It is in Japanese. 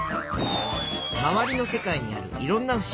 まわりの世界にあるいろんなふしぎ。